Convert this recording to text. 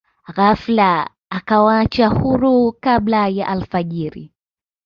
ghafla akawaacha huru kabla ya alfajiri